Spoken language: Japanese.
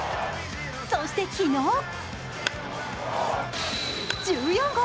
そして昨日１４号！